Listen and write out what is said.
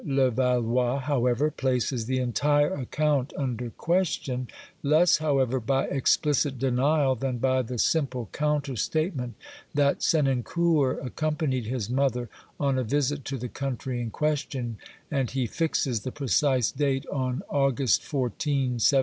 Levallois, however, places the entire account under question, less, however, by explicit denial than by the simple counter statement that Senancour ac companied his mother on a visit to the country in question, and he fixes the precise date on August 14, 1789.